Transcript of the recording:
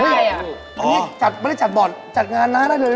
อันนี้จัดไม่ได้จัดบอร์ดจัดงานน้าได้เลย